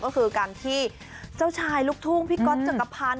ก็คือการที่เจ้าชายลูกทุ่งพี่ก๊อตจักรพันธ์